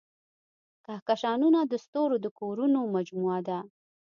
کهکشانونه د ستورو د کورونو مجموعه ده.